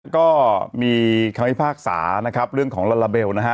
ก็มีคำพิพากษานะครับเรื่องของลาลาเบลนะฮะ